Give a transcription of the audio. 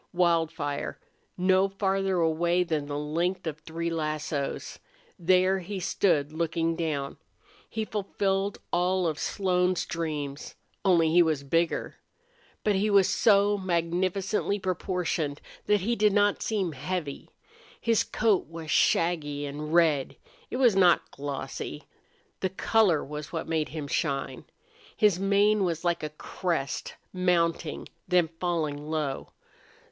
Wildfire no farther away than the length of three lassos! There he stood looking down. He fulfilled all of Slone's dreams. Only he was bigger. But he was so magnificently proportioned that he did not seem heavy. His coat was shaggy and red. It was not glossy. The color was what made him shine. His mane was like a crest, mounting, then falling low.